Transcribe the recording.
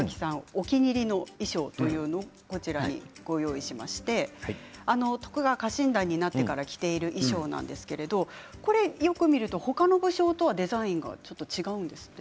お気に入りの衣装というのがこちらにご用意しまして徳川家臣団になってから着ている衣装なんですけれどもよく見ると他の武将とはデザインがちょっと違うんですって？